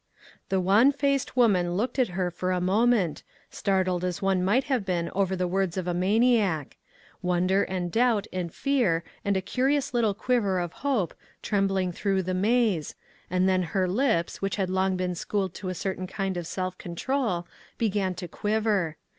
The wan faced woman looked at her for a moment, startled as one might have been over the words of a maniac; wonder and doubt and fear and a curious little quiver of hope, trembling through the maze, and then her lips, which had long been schooled to a certain kind of self control, began to quiver.